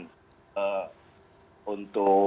dan itu tidak akan menjadi yang lebih ringan